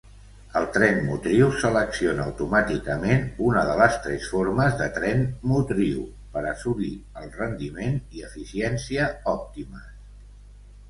El tren motriu selecciona automàticament una de les tres formes de tren motriu per assolir el rendiment i eficiència òptimes.